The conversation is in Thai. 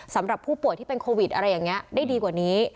สำหรับผู้ป่วยที่เป็นโควิดอะไรอย่างนี้ได้ดีกว่านี้